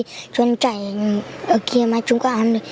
chú tuấn chạy ở kia mà chúng có ăn